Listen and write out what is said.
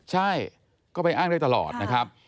ใช่ก็ไปอ้างได้ตลอดนะครับ